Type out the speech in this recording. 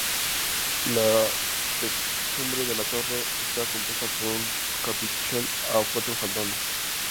La techumbre de la torre está compuesta por un chapitel a cuatro faldones.